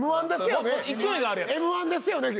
Ｍ−１ですよね？